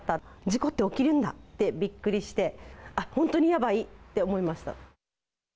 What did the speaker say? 事故って起きるんだってびっくりして、本当にやばいって思いました。